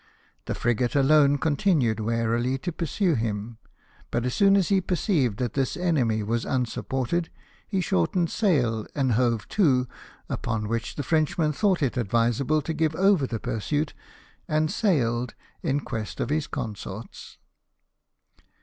The frigate alone continued warily to pursue him ; but as soon as he perceived that this enemy was unsupported, he shortened sail, and hove to, upon Avhich the Frenchman thought it advisable to give over the pursuit, and sail in quest of his consorts.